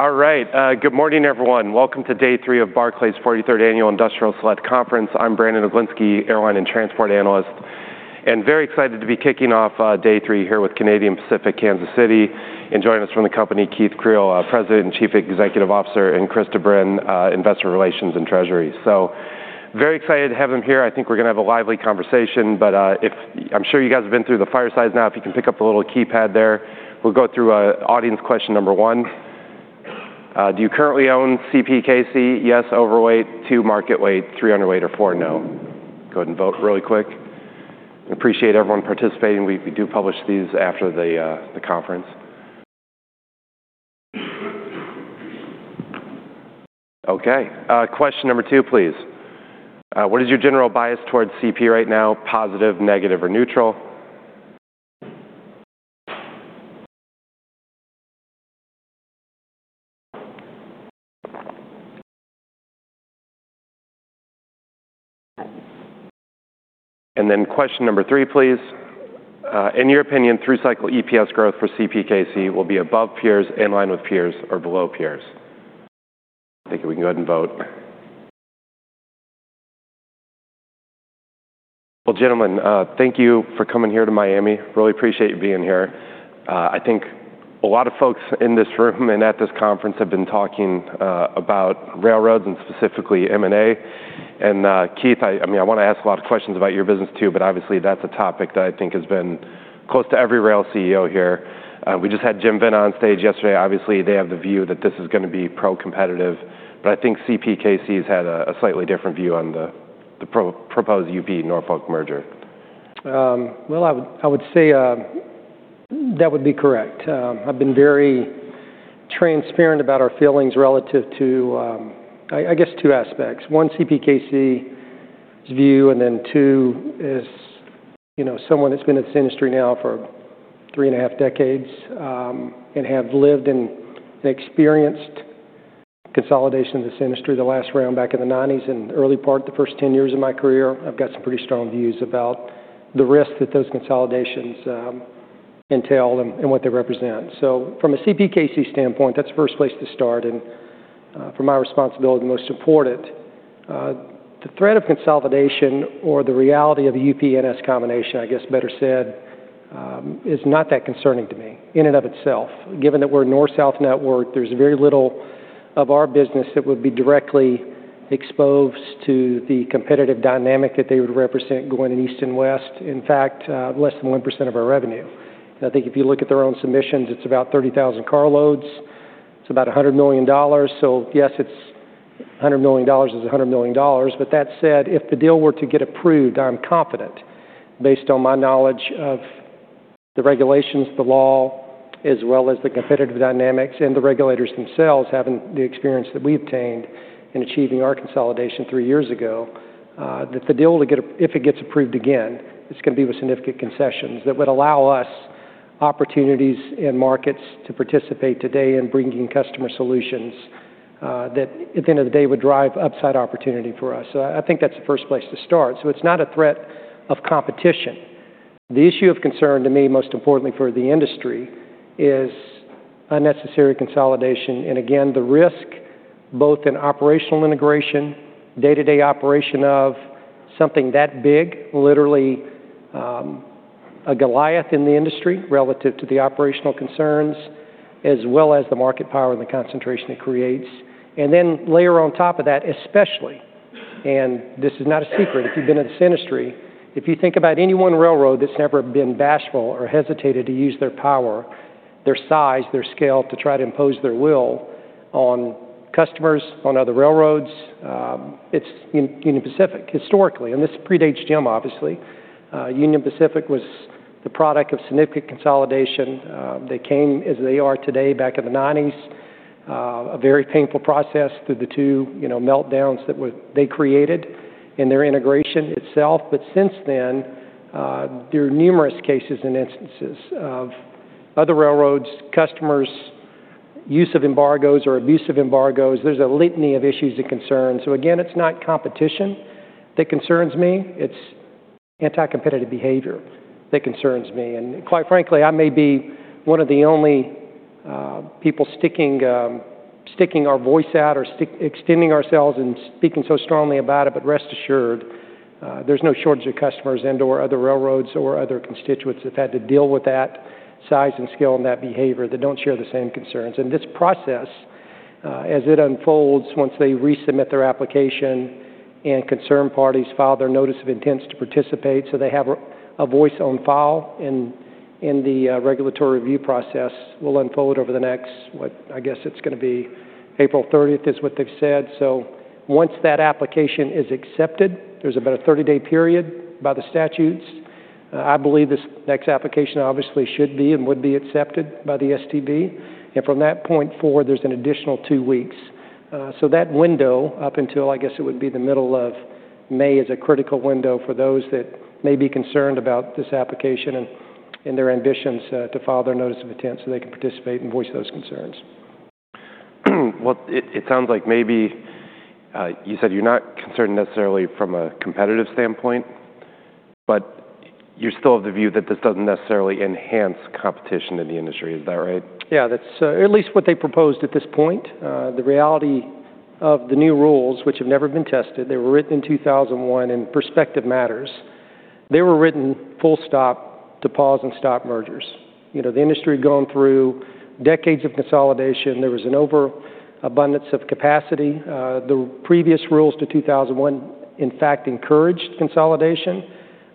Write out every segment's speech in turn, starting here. All right, good morning, everyone. Welcome to day three of Barclays 43rd Annual Industrial Select Conference. I'm Brandon Oglenski, airline and transport analyst, and very excited to be kicking off, day three here with Canadian Pacific Kansas City. And joining us from the company, Keith Creel, President and Chief Executive Officer, and Chris De Bruyn, Investor Relations and Treasury. So very excited to have him here. I think we're going to have a lively conversation, but, if-- I'm sure you guys have been through the fireside now. If you can pick up the little keypad there, we'll go through, audience question number one. Do you currently own CPKC? Yes, overweight, two, market weight, three, underweight, or four, no. Go ahead and vote really quick. Appreciate everyone participating. We, we do publish these after the, the conference. Okay, question number two, please. What is your general bias towards CP right now? Positive, negative, or neutral? And then question number three, please. In your opinion, through-cycle EPS growth for CPKC will be above peers, in line with peers, or below peers? I think we can go ahead and vote. Well, gentlemen, thank you for coming here to Miami. Really appreciate you being here. I think a lot of folks in this room and at this conference have been talking about railroads and specifically M&A. And, Keith, I mean, I want to ask a lot of questions about your business, too, but obviously that's a topic that I think has been close to every rail CEO here. We just had Jim Vena on stage yesterday. Obviously, they have the view that this is going to be pro-competitive, but I think CPKC has had a slightly different view on the proposed UP Norfolk merger. Well, I would say that would be correct. I've been very transparent about our feelings relative to I guess two aspects. One, CPKC's view, and then two is, you know, someone that's been in this industry now for three and a half decades, and have lived and experienced consolidation in this industry the last round back in the 90's and early part, the first 10 years of my career. I've got some pretty strong views about the risk that those consolidations entail and what they represent. So from a CPKC standpoint, that's the first place to start, and from my responsibility, most important. The threat of consolidation or the reality of the UP NS combination, I guess better said, is not that concerning to me in and of itself. Given that we're a North-South network, there's very little of our business that would be directly exposed to the competitive dynamic that they would represent going east and west. In fact, less than 1% of our revenue. I think if you look at their own submissions, it's about 30,000 car loads. It's about $100 million. So yes, it's $100 million is $100 million. But that said, if the deal were to get approved, I'm confident, based on my knowledge of the regulations, the law, as well as the competitive dynamics and the regulators themselves, having the experience that we've obtained in achieving our consolidation three years ago, that the deal, if it gets approved again, it's going to be with significant concessions that would allow us opportunities in markets to participate today in bringing customer solutions, that at the end of the day, would drive upside opportunity for us. So I think that's the first place to start. So it's not a threat of competition. The issue of concern to me, most importantly for the industry, is unnecessary consolidation, and again, the risk, both in operational integration, day-to-day operation of something that big, literally, a Goliath in the industry, relative to the operational concerns, as well as the market power and the concentration it creates. And then layer on top of that, especially, and this is not a secret, if you've been in this industry, if you think about any one railroad that's never been bashful or hesitated to use their power, their size, their scale to try to impose their will on customers, on other railroads, it's Union Pacific. Historically, and this predates Jim, obviously, Union Pacific was the product of significant consolidation. They came as they are today back in the 90's, a very painful process through the two, you know, meltdowns they created in their integration itself. But since then, there are numerous cases and instances of other railroads, customers, use of embargoes or abuse of embargoes. There's a litany of issues and concerns. So again, it's not competition that concerns me. It's anti-competitive behavior that concerns me. And quite frankly, I may be one of the only people sticking our voice out or extending ourselves and speaking so strongly about it, but rest assured, there's no shortage of customers and/or other railroads or other constituents that had to deal with that size and scale and that behavior that don't share the same concerns. This process, as it unfolds, once they resubmit their application and concerned parties file their notice of intents to participate, so they have a voice on file in the regulatory review process, will unfold over the next. I guess it's going to be April 30th, is what they've said. So once that application is accepted, there's about a 30-day period by the statutes. I believe this next application obviously should be and would be accepted by the STB, and from that point forward, there's an additional two weeks. So that window, up until I guess it would be the middle of May, is a critical window for those that may be concerned about this application and their ambitions to file their notice of intent so they can participate and voice those concerns. Well, it sounds like maybe you said you're not concerned necessarily from a competitive standpoint? But you still have the view that this doesn't necessarily enhance competition in the industry. Is that right? Yeah, that's at least what they proposed at this point. The reality of the new rules, which have never been tested, they were written in 2001, and perspective matters. They were written full stop to pause and stop mergers. You know, the industry had gone through decades of consolidation. There was an overabundance of capacity. The previous rules to 2001, in fact, encouraged consolidation.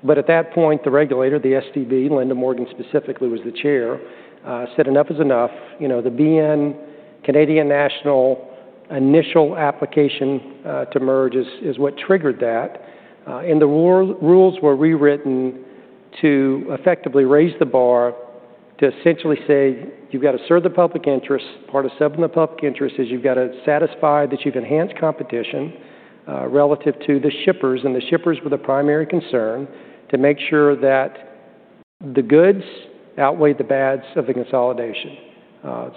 But at that point, the regulator, the STB, Linda Morgan specifically, was the chair, said enough is enough. You know, the BN Canadian National initial application to merge is what triggered that. And the rules were rewritten to effectively raise the bar, to essentially say: You've got to serve the public interest. Part of serving the public interest is you've got to satisfy that you've enhanced competition relative to the shippers, and the shippers were the primary concern, to make sure that the goods outweighed the bads of the consolidation.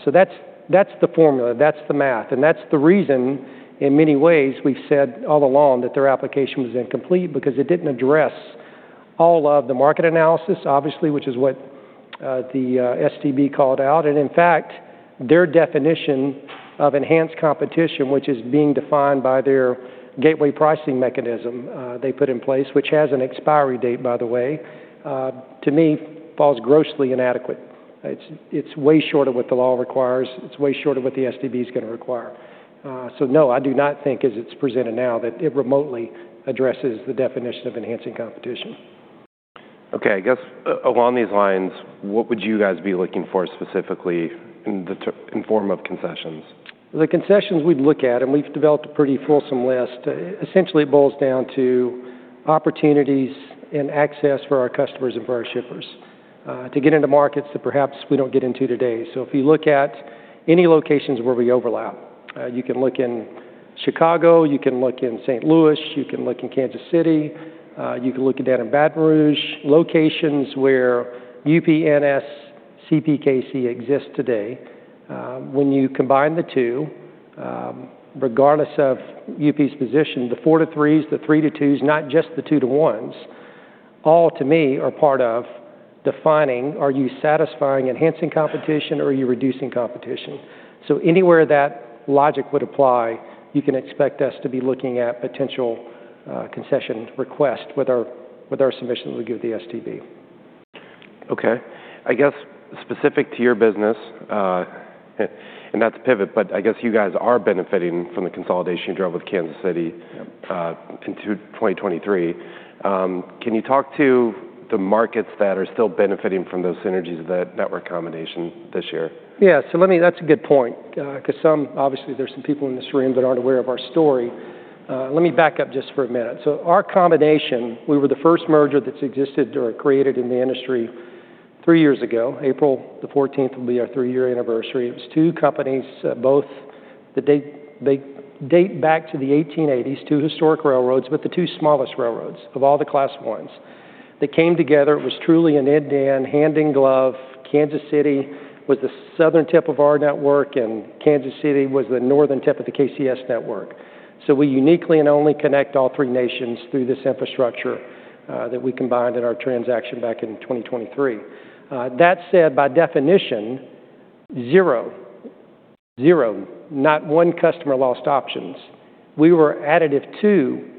So that's, that's the formula, that's the math, and that's the reason, in many ways, we've said all along that their application was incomplete because it didn't address all of the market analysis, obviously, which is what the STB called out. And in fact, their definition of enhanced competition, which is being defined by their gateway pricing mechanism they put in place, which has an expiry date, by the way, to me, falls grossly inadequate. It's, it's way short of what the law requires. It's way short of what the STB is going to require. So no, I do not think as it's presented now, that it remotely addresses the definition of enhancing competition. Okay, I guess, along these lines, what would you guys be looking for specifically in the form of concessions? The concessions we'd look at, and we've developed a pretty fulsome list. Essentially, it boils down to opportunities and access for our customers and for our shippers, to get into markets that perhaps we don't get into today. So if you look at any locations where we overlap, you can look in Chicago, you can look in St. Louis, you can look in Kansas City, you can look at down in Baton Rouge, locations where UP, NS, CPKC exists today. When you combine the two, regardless of UP's position, the four-to-three's, the three-to-two's, not just the two-to-one's, all, to me, are part of defining, are you satisfying, enhancing competition, or are you reducing competition? Anywhere that logic would apply, you can expect us to be looking at potential concession requests with our, with our submission we give the STB. Okay. I guess, specific to your business, and that's a pivot, but I guess you guys are benefiting from the consolidation you drove with Kansas City- Yep... in 2023. Can you talk to the markets that are still benefiting from those synergies of that network combination this year? Yeah. So let me. That's a good point, 'cause some obviously, there's some people in this room that aren't aware of our story. Let me back up just for a minute. So our combination, we were the first merger that's existed or created in the industry three years ago. April 14th will be our three-year anniversary. It was two companies, both that they, they date back to the 1880s, two historic railroads, but the two smallest railroads of all the Class I's. They came together. It was truly an end-to-end hand-in-glove. Kansas City was the southern tip of our network, and Kansas City was the northern tip of the KCS network. So we uniquely and only connect all three nations through this infrastructure that we combined in our transaction back in 2023. That said, by definition, 0, 0, not one customer lost options. We were additive to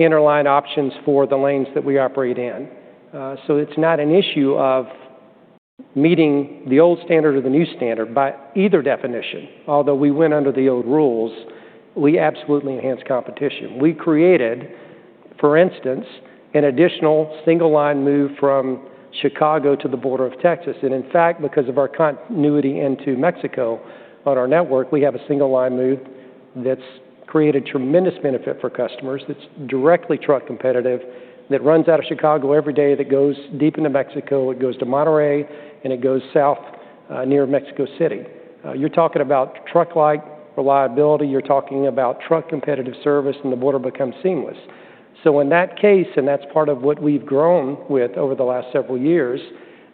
interline options for the lanes that we operate in. So it's not an issue of meeting the old standard or the new standard by either definition. Although we went under the old rules, we absolutely enhanced competition. We created, for instance, an additional single-line move from Chicago to the border of Texas. And in fact, because of our continuity into Mexico on our network, we have a single-line move that's created tremendous benefit for customers, that's directly truck competitive, that runs out of Chicago every day, that goes deep into Mexico. It goes to Monterrey, and it goes south, near Mexico City. You're talking about truck-like reliability, you're talking about truck competitive service, and the border becomes seamless. So in that case, and that's part of what we've grown with over the last several years,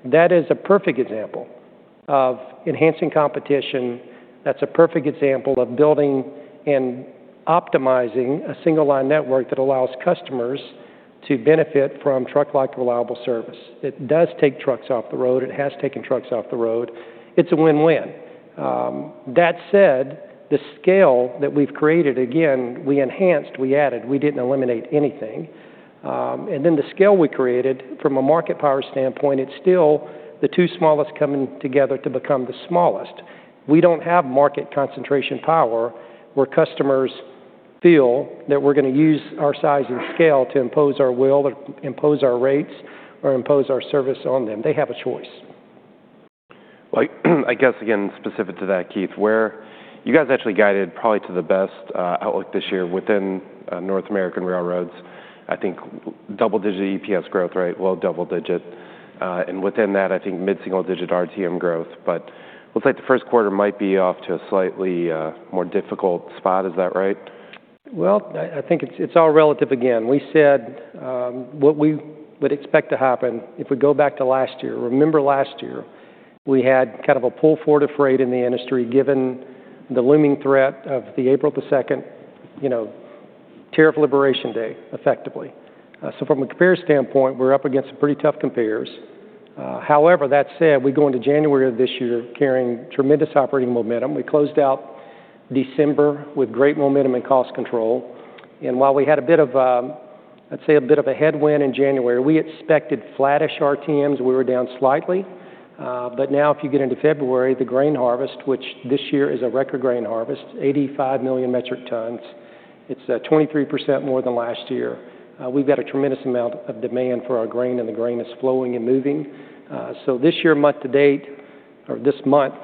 that is a perfect example of enhancing competition. That's a perfect example of building and optimizing a single-line network that allows customers to benefit from truck-like reliable service. It does take trucks off the road. It has taken trucks off the road. It's a win-win. That said, the scale that we've created, again, we enhanced, we added, we didn't eliminate anything. Then the scale we created from a market power standpoint, it's still the two smallest coming together to become the smallest. We don't have market concentration power, where customers feel that we're going to use our size and scale to impose our will, or impose our rates, or impose our service on them. They have a choice. Well, I guess, again, specific to that, Keith, where you guys actually guided probably to the best outlook this year within North American railroads. I think double-digit EPS growth, right? Well, double digit. And within that, I think mid-single-digit RTM growth, but looks like the first quarter might be off to a slightly more difficult spot. Is that right? Well, I think it's all relative again. We said what we would expect to happen if we go back to last year... Remember last year?... we had kind of a pull forward of freight in the industry, given the looming threat of the April the 2nd, you know, tariff liberation day, effectively. So from a compare standpoint, we're up against some pretty tough compares. However, that said, we go into January of this year carrying tremendous operating momentum. We closed out December with great momentum and cost control, and while we had a bit of, let's say, a bit of a headwind in January, we expected flattish RTMs. We were down slightly. But now if you get into February, the grain harvest, which this year is a record grain harvest, 85 million metric tons, it's 23% more than last year. We've got a tremendous amount of demand for our grain, and the grain is flowing and moving. So this year, month to date, or this month,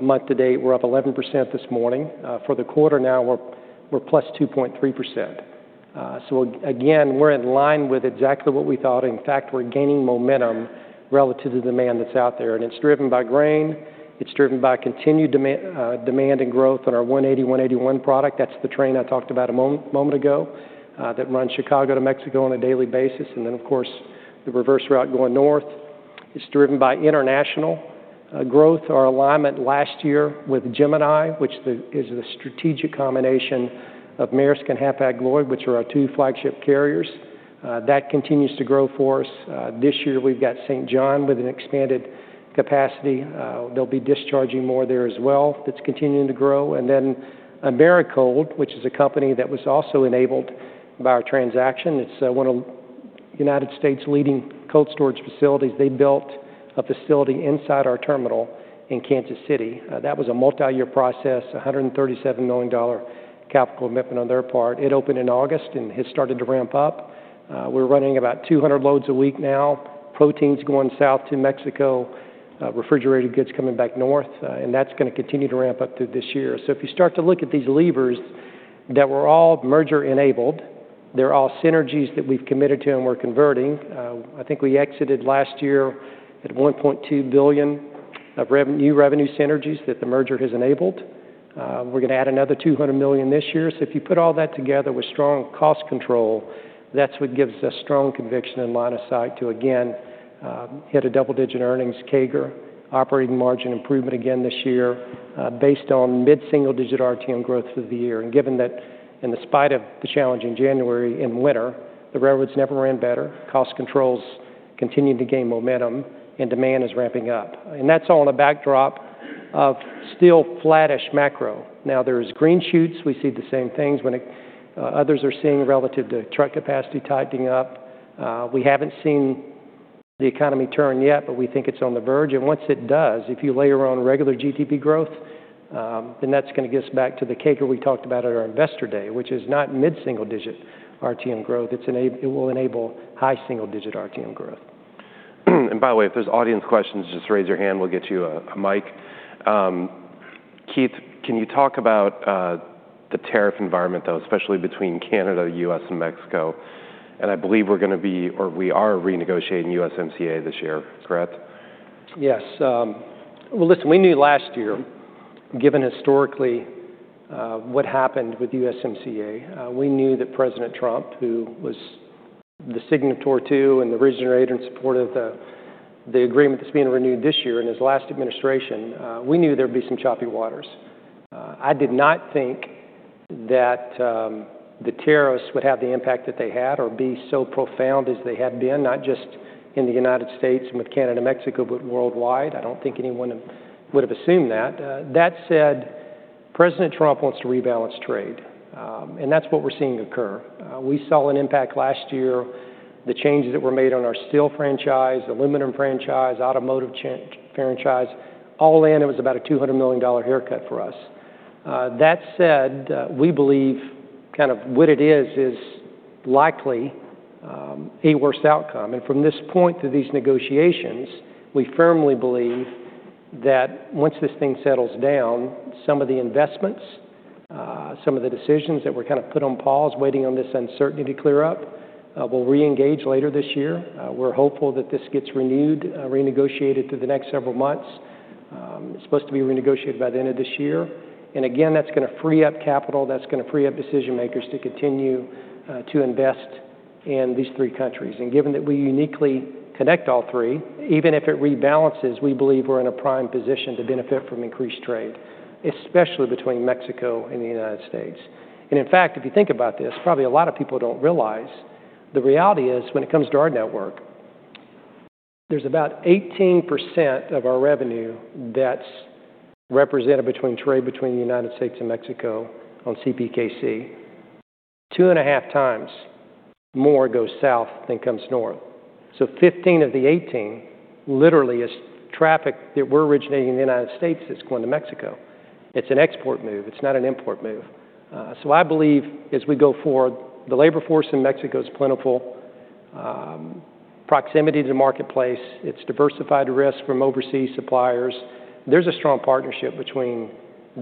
month to date, we're up 11% this morning. For the quarter now, we're plus 2.3%. So again, we're in line with exactly what we thought. In fact, we're gaining momentum relative to the demand that's out there, and it's driven by grain. It's driven by continued demand and growth on our 180, 181 product. That's the train I talked about a moment ago, that runs Chicago to Mexico on a daily basis, and then, of course, the reverse route going north. It's driven by international growth. Our alignment last year with Gemini, which is the strategic combination of Maersk and Hapag-Lloyd, which are our two flagship carriers. That continues to grow for us. This year we've got St. John with an expanded capacity. They'll be discharging more there as well. That's continuing to grow. And then Americold, which is a company that was also enabled by our transaction. It's one of the United States' leading cold storage facilities. They built a facility inside our terminal in Kansas City. That was a multi-year process, a $137 million capital commitment on their part. It opened in August and has started to ramp up. We're running about 200 loads a week now, proteins going south to Mexico, refrigerated goods coming back north, and that's gonna continue to ramp up through this year. So if you start to look at these levers that were all merger-enabled, they're all synergies that we've committed to and we're converting. I think we exited last year at $1.2 billion of revenue, new revenue synergies that the merger has enabled. We're gonna add another $200 million this year. So if you put all that together with strong cost control, that's what gives us strong conviction and line of sight to, again, hit a double-digit earnings CAGR, operating margin improvement again this year, based on mid-single-digit RTM growth through the year. And given that in spite of the challenging January and winter, the railroads never ran better, cost controls continued to gain momentum, and demand is ramping up. And that's all in a backdrop of still flattish macro. Now, there's green shoots. We see the same things when others are seeing relative to truck capacity tightening up. We haven't seen the economy turn yet, but we think it's on the verge. And once it does, if you layer on regular GDP growth, then that's gonna get us back to the CAGR we talked about at our Investor Day, which is not mid-single-digit RTM growth. It will enable high single-digit RTM growth. And by the way, if there's audience questions, just raise your hand, we'll get you a mic. Keith, can you talk about the tariff environment, though, especially between Canada, U.S., and Mexico? And I believe we're gonna be, or we are renegotiating USMCA this year, correct? Yes. Well, listen, we knew last year, given historically, what happened with USMCA, we knew that President Trump, who was the signatory to and the originator in support of the, the agreement that's being renewed this year in his last administration, we knew there'd be some choppy waters. I did not think that, the tariffs would have the impact that they had or be so profound as they had been, not just in the United States and with Canada and Mexico, but worldwide. I don't think anyone would have, would have assumed that. That said, President Trump wants to rebalance trade, and that's what we're seeing occur. We saw an impact last year, the changes that were made on our steel franchise, aluminum franchise, automotive franchise. All in, it was about a $200 million haircut for us. That said, we believe kind of what it is, is likely a worst outcome. From this point through these negotiations, we firmly believe that once this thing settles down, some of the investments, some of the decisions that were kind of put on pause, waiting on this uncertainty to clear up, will reengage later this year. We're hopeful that this gets renewed, renegotiated through the next several months. It's supposed to be renegotiated by the end of this year. Again, that's gonna free up capital. That's gonna free up decision-makers to continue to invest in these three countries. Given that we uniquely connect all three, even if it rebalances, we believe we're in a prime position to benefit from increased trade, especially between Mexico and the United States. In fact, if you think about this, probably a lot of people don't realize, the reality is, when it comes to our network, there's about 18% of our revenue that's represented between trade between the United States and Mexico on CPKC. 2.5 times more goes south than comes north. So 15 of the 18 literally is traffic that we're originating in the United States that's going to Mexico. It's an export move, it's not an import move. So I believe as we go forward, the labor force in Mexico is plentiful, proximity to the marketplace, it's diversified risk from overseas suppliers. There's a strong partnership between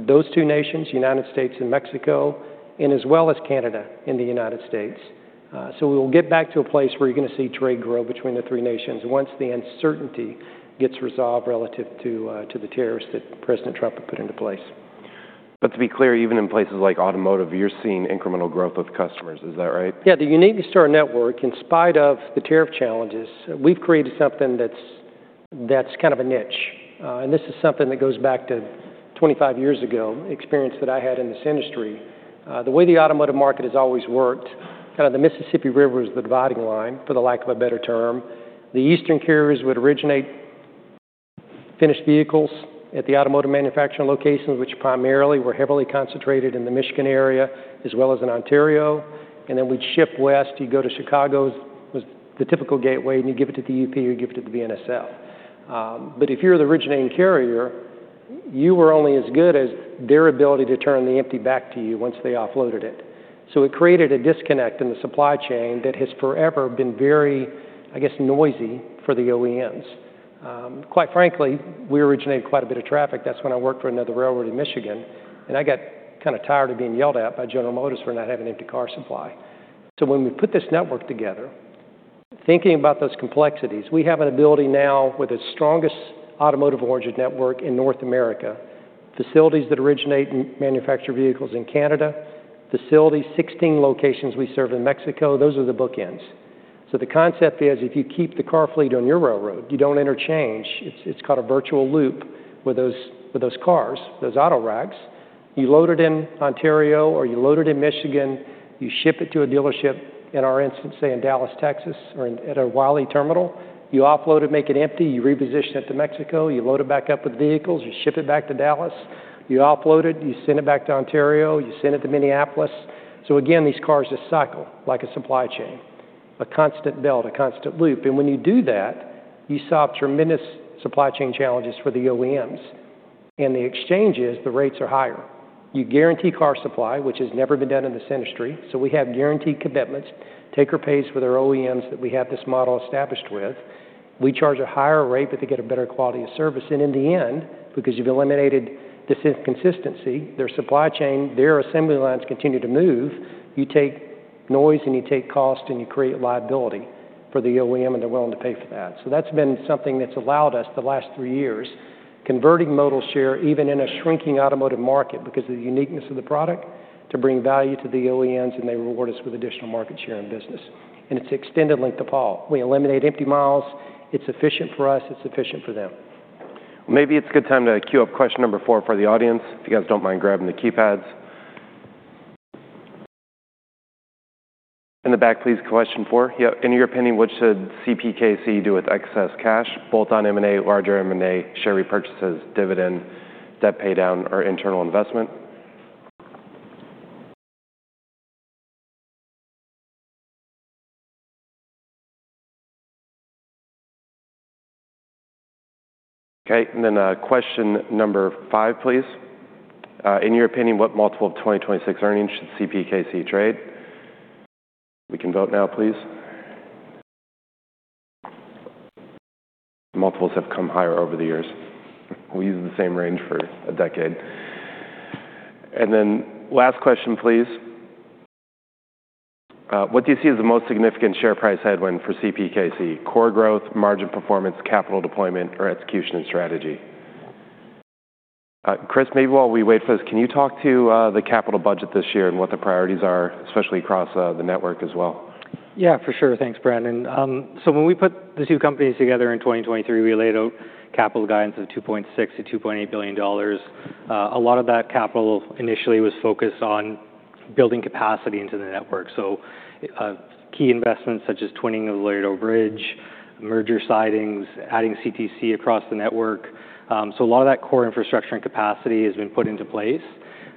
those two nations, United States and Mexico, and as well as Canada and the United States. We will get back to a place where you're gonna see trade grow between the three nations once the uncertainty gets resolved relative to, to the tariffs that President Trump had put into place.... But to be clear, even in places like automotive, you're seeing incremental growth of customers. Is that right? Yeah, the uniqueness to our network, in spite of the tariff challenges, we've created something that's, that's kind of a niche. And this is something that goes back to 25 years ago, experience that I had in this industry. The way the automotive market has always worked, kind of the Mississippi River is the dividing line, for the lack of a better term. The eastern carriers would originate finished vehicles at the automotive manufacturing locations, which primarily were heavily concentrated in the Michigan area, as well as in Ontario, and then we'd ship west. You go to Chicago, was the typical gateway, and you give it to the UP, or you give it to the BNSF. But if you're the originating carrier, you were only as good as their ability to turn the empty back to you once they offloaded it. So it created a disconnect in the supply chain that has forever been very, I guess, noisy for the OEMs. Quite frankly, we originated quite a bit of traffic. That's when I worked for another railroad in Michigan, and I got kind of tired of being yelled at by General Motors for not having empty car supply. So when we put this network together, thinking about those complexities, we have an ability now with the strongest automotive origin network in North America, facilities that originate and manufacture vehicles in Canada, facilities, 16 locations we serve in Mexico, those are the bookends. So the concept is, if you keep the car fleet on your railroad, you don't interchange. It's, it's called a virtual loop with those, with those cars, those autoracks. You load it in Ontario, or you load it in Michigan, you ship it to a dealership, in our instance, say, in Dallas, Texas, or at a Wylie terminal. You offload it, make it empty, you reposition it to Mexico, you load it back up with vehicles, you ship it back to Dallas, you offload it, you send it back to Ontario, you send it to Minneapolis. So again, these cars just cycle like a supply chain, a constant belt, a constant loop. And when you do that, you solve tremendous supply chain challenges for the OEMs. In the exchanges, the rates are higher. You guarantee car supply, which has never been done in this industry, so we have guaranteed commitments. Taker pays for their OEMs that we have this model established with. We charge a higher rate, but they get a better quality of service. In the end, because you've eliminated this inconsistency, their supply chain, their assembly lines continue to move. You take noise, and you take cost, and you create liability for the OEM, and they're willing to pay for that. So that's been something that's allowed us, the last three years, converting modal share, even in a shrinking automotive market, because of the uniqueness of the product, to bring value to the OEMs, and they reward us with additional market share and business. It's extended length of haul. We eliminate empty miles. It's efficient for us. It's efficient for them. Maybe it's a good time to queue up question number four for the audience, if you guys don't mind grabbing the keypads. In the back, please, question four. Yep. In your opinion, what should CPKC do with excess cash, both on M&A, larger M&A, share repurchases, dividend, debt paydown, or internal investment? Okay, and then, question number five, please. In your opinion, what multiple of 2026 earnings should CPKC trade? We can vote now, please. Multiples have come higher over the years. We've used the same range for a decade. And then last question, please. What do you see as the most significant share price headwind for CPKC? Core growth, margin performance, capital deployment, or execution and strategy? Chris, maybe while we wait for this, can you talk to the capital budget this year and what the priorities are, especially across the network as well? Yeah, for sure. Thanks, Brandon. So when we put the two companies together in 2023, we laid out capital guidance of $2.6 billion-$2.8 billion. A lot of that capital initially was focused on building capacity into the network. Key investments such as twinning of the Laredo Bridge, merger sidings, adding CTC across the network. A lot of that core infrastructure and capacity has been put into place.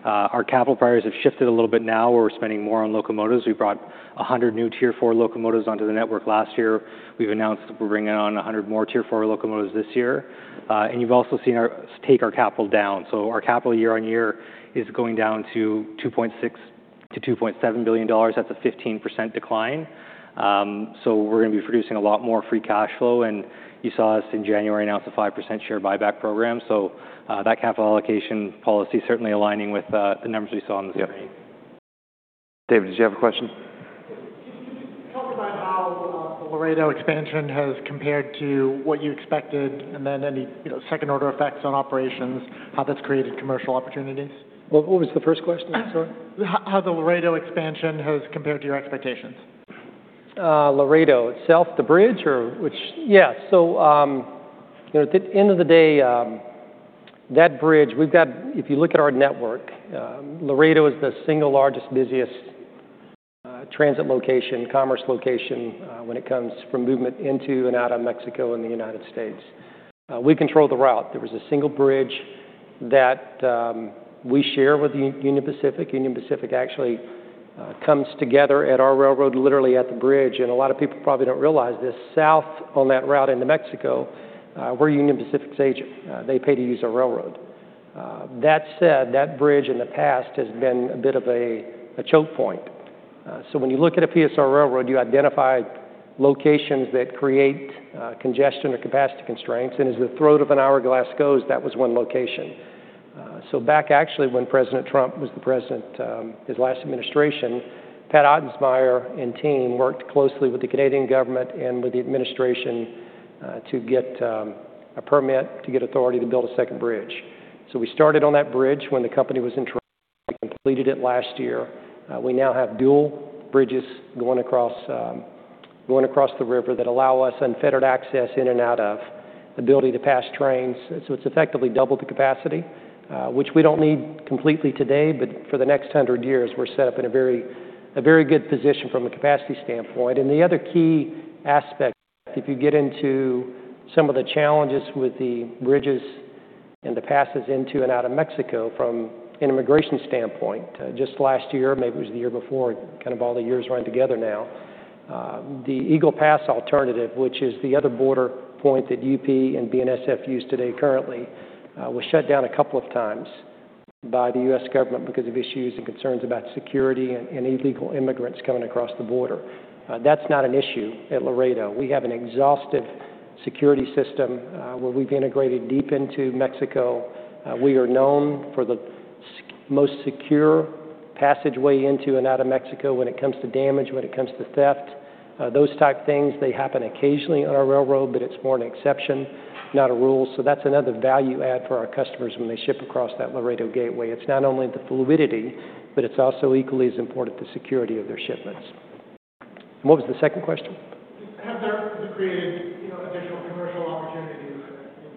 Our capital priorities have shifted a little bit now, where we're spending more on locomotives. We brought 100 new Tier 4 locomotives onto the network last year. We've announced that we're bringing on 100 more Tier 4 locomotives this year. And you've also seen us take our capital down. So our capital year-on-year is going down to $2.6 billion-$2.7 billion. That's a 15% decline. So we're going to be producing a lot more free cash flow, and you saw us in January announce a 5% share buyback program. So, that capital allocation policy certainly aligning with the numbers we saw on the screen. David, did you have a question? Can you talk about how the Laredo expansion has compared to what you expected, and then any, you know, second-order effects on operations, how that's created commercial opportunities? What, what was the first question, sorry? How the Laredo expansion has compared to your expectations? Laredo itself, the bridge, or which? Yeah. So, you know, at the end of the day, that bridge, we've got. If you look at our network, Laredo is the single largest, busiest, transit location, commerce location, when it comes from movement into and out of Mexico and the United States. We control the route. There is a single bridge that we share with the Union Pacific. Union Pacific actually comes together at our railroad, literally at the bridge, and a lot of people probably don't realize this. South on that route into Mexico, we're Union Pacific's agent. They pay to use our railroad. That said, that bridge in the past has been a bit of a choke point. So when you look at a PSR railroad, you identify locations that create congestion or capacity constraints, and as the throat of an hourglass goes, that was one location. So back actually, when President Trump was the president, his last administration, Pat Ottensmeyer and team worked closely with the Canadian government and with the administration to get a permit, to get authority to build a second bridge. So we started on that bridge when the company was in trouble. We completed it last year. We now have dual bridges going across the river that allow us unfettered access in and out of, ability to pass trains. So it's effectively doubled the capacity, which we don't need completely today, but for the next hundred years, we're set up in a very good position from a capacity standpoint. The other key aspect, if you get into some of the challenges with the bridges and the passes into and out of Mexico from an immigration standpoint, just last year, maybe it was the year before, kind of all the years run together now, the Eagle Pass alternative, which is the other border point that UP and BNSF use today currently, was shut down a couple of times by the U.S. government because of issues and concerns about security and illegal immigrants coming across the border. That's not an issue at Laredo. We have an exhaustive security system, where we've integrated deep into Mexico. We are known for the most secure passageway into and out of Mexico when it comes to damage, when it comes to theft. Those type things, they happen occasionally on our railroad, but it's more an exception, not a rule. So that's another value add for our customers when they ship across that Laredo gateway. It's not only the fluidity, but it's also equally as important, the security of their shipments. What was the second question? Have there created, you know, additional commercial opportunities?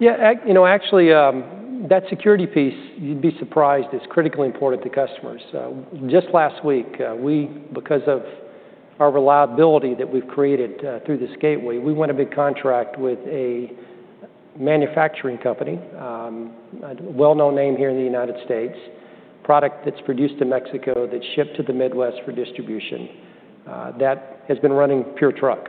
Yeah, you know, actually, that security piece, you'd be surprised, is critically important to customers. Just last week, we, because of our reliability that we've created, through this gateway, we won a big contract with a manufacturing company, a well-known name here in the United States. Product that's produced in Mexico, that's shipped to the Midwest for distribution, that has been running pure truck.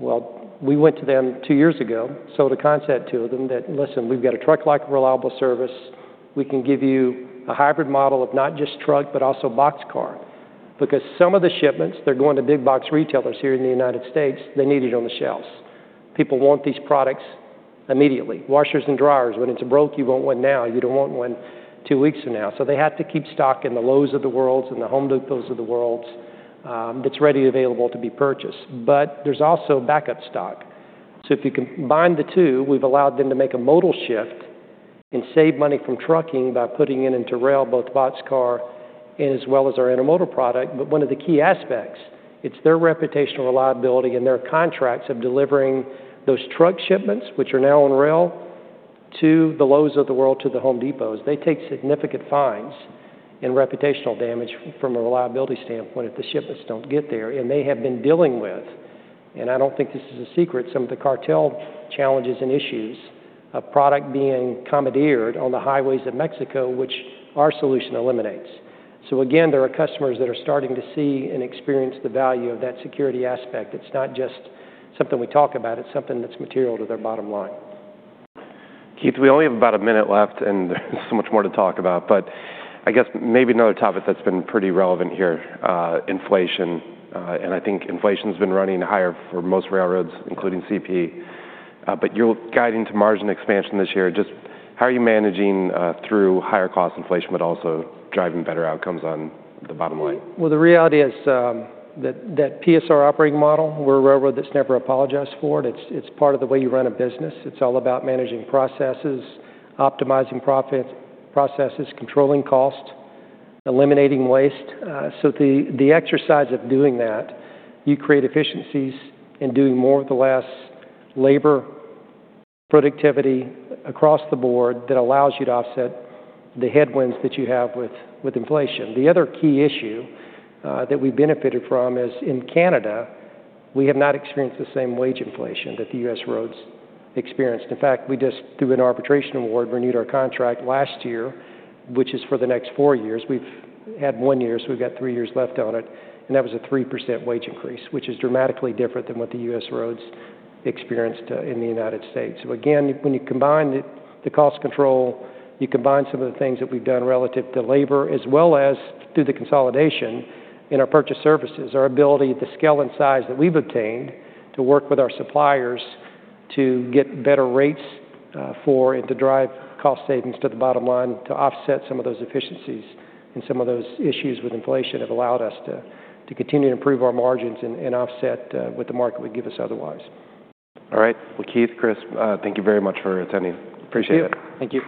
Well, we went to them two years ago, sold a concept to them that, "Listen, we've got a truck-like reliable service. We can give you a hybrid model of not just truck, but also box car." Because some of the shipments, they're going to big box retailers here in the United States, they need it on the shelves. People want these products immediately. Washers and dryers, when it's broke, you want one now, you don't want one two weeks from now. So they have to keep stock in the Lowe's of the worlds and the Home Depots of the worlds, that's ready and available to be purchased. But there's also backup stock. So if you combine the two, we've allowed them to make a modal shift and save money from trucking by putting it into rail, both box car as well as our intermodal product. But one of the key aspects, it's their reputational reliability and their contracts of delivering those truck shipments, which are now on rail, to the Lowe's of the world, to the Home Depots. They take significant fines and reputational damage from a reliability standpoint if the shipments don't get there, and they have been dealing with, and I don't think this is a secret, some of the cartel challenges and issues of product being commandeered on the highways of Mexico, which our solution eliminates. So again, there are customers that are starting to see and experience the value of that security aspect. It's not just something we talk about, it's something that's material to their bottom line. Keith, we only have about a minute left, and there's so much more to talk about, but I guess maybe another topic that's been pretty relevant here, inflation. And I think inflation's been running higher for most railroads, including CP. But you're guiding to margin expansion this year. Just how are you managing through higher cost inflation, but also driving better outcomes on the bottom line? Well, the reality is, that, that PSR operating model, we're a railroad that's never apologized for it. It's, it's part of the way you run a business. It's all about managing processes, optimizing profit processes, controlling cost, eliminating waste. So the, the exercise of doing that, you create efficiencies in doing more with the less labor, productivity across the board that allows you to offset the headwinds that you have with, with inflation. The other key issue, that we benefited from is, in Canada, we have not experienced the same wage inflation that the U.S. roads experienced. In fact, we just, through an arbitration award, renewed our contract last year, which is for the next four years. We've had one year, so we've got three years left on it, and that was a 3% wage increase, which is dramatically different than what the U.S. roads experienced in the United States. So again, when you combine the cost control, you combine some of the things that we've done relative to labor, as well as through the consolidation in our purchase services, our ability, the scale and size that we've obtained to work with our suppliers to get better rates for and to drive cost savings to the bottom line to offset some of those efficiencies and some of those issues with inflation, have allowed us to continue to improve our margins and offset what the market would give us otherwise. All right. Well, Keith, Chris, thank you very much for attending. Appreciate it. Thank you.